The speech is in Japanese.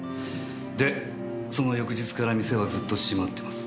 でその翌日から店はずっと閉まってます。